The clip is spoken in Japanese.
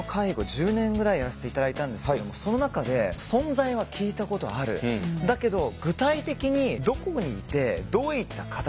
１０年ぐらいやらせて頂いたんですけどもその中で存在は聞いたことあるだけど具体的にどこにいてどういった方々何を専門にしてるのか？